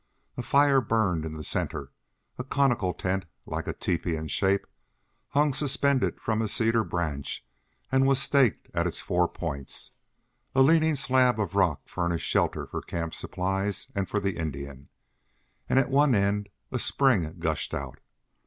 A fire burned in the centre; a conical tent, like a tepee in shape, hung suspended from a cedar branch and was staked at its four points; a leaning slab of rock furnished shelter for camp supplies and for the Indian, and at one end a spring gushed out.